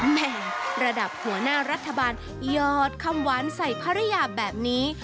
แหม่ระดับหัวหน้ารัฐบาลยอดคำหวานใส่ภรรยาแบบนี้